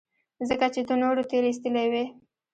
ځکه چې ته نورو تېرايستلى وې.